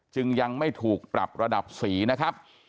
จึงยังไม่ถูกปรับระดับสีนะครับ